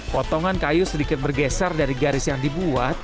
potongan kayu sedikit bergeser dari garis yang dibuat